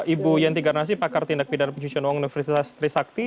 ibu yenti garnasi pakar tindak pidana pencucian uang universitas trisakti